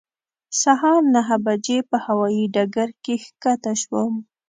سهار نهه بجې په هوایې ډګر کې ښکته شوم.